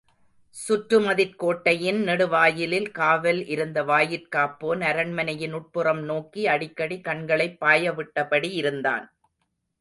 சுற்றுமதிற் கோட்டையின் நெடு வாயிலில் காவல் இருந்த வாயிற்காப்போன் அரண்மனையின் உட்புறம் நோக்கி அடிக்கடி கண்களைப் பாயவிட்டபடி இருந்தான்.